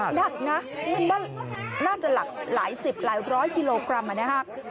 หนักหนักน่ะน่าจะหลักหลายสิบหลายร้อยกิโลกรัมอ่ะนะฮะ